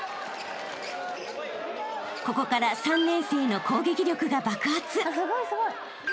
［ここから３年生の攻撃力が爆発］